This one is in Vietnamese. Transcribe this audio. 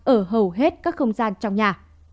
ở hầu hết các không gian trong nhà